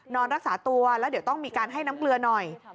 นอนรักษาตัวแล้วเดี๋ยวต้องมีการให้น้ำเกลือหน่อย